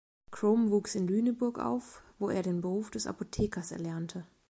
Crome wuchs in Lüneburg auf, wo er den Beruf des Apothekers erlernte.